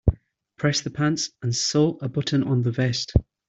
Press the pants and sew a button on the vest.